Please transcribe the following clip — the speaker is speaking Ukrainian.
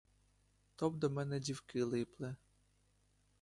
То б до мене дівки липли.